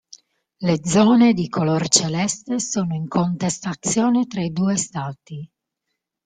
Le zone di color celeste sono in contestazione tra i due stati.